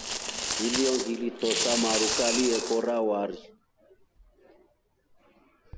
Hiyo ngile tosa maru kali ye kora wari.